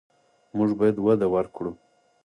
موږ باید وده ورکړو.